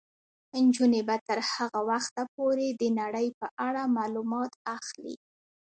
نجونې به تر هغه وخته پورې د نړۍ په اړه معلومات اخلي.